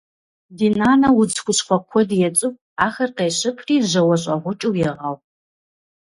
Ди нанэ удз хущхъуэ куэд ецӏыху. Ахэр къещыпри жьауэщӏэгъукӏыу егъэгъу.